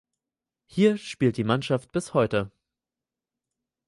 Hier spielt die Mannschaft bis heute.